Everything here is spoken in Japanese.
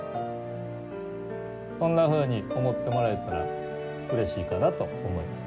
そんなふうに思ってもらえたらうれしいかなと思います。